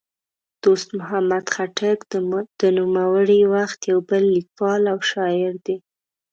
دوست محمد خټک د نوموړي وخت یو بل لیکوال او شاعر دی.